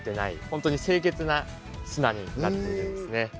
本当に清潔な砂になっているんですね。